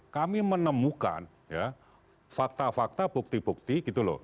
kami menemukan fakta fakta bukti bukti